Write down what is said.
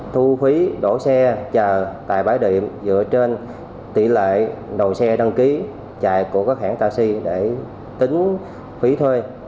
thu phí đổ xe chờ tại bãi đệm dựa trên tỷ lệ đầu xe đăng ký chạy của các hãng taxi để tính phí thuê